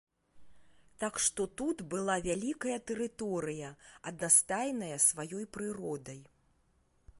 Так што тут была вялікая тэрыторыя, аднастайная сваёй прыродай.